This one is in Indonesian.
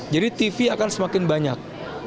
jadi tv akan semakin banyak